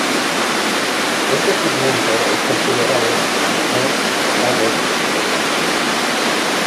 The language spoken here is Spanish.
Este segmento es considerado el primer unplugged de la historia.